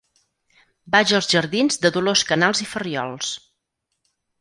Vaig als jardins de Dolors Canals i Farriols.